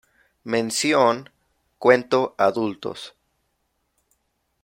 Mención, cuento adultos.